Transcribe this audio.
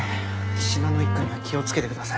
信濃一家には気をつけてください。